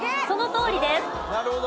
そのとおりです。